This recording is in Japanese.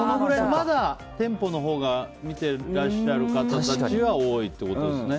まだ店舗のほうが見てらっしゃる方たちが多いってことですね。